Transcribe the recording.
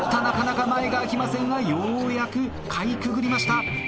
なかなか前が空きませんがようやくかいくぐりました。